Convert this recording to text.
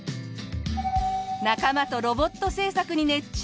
仲間とロボット製作に熱中。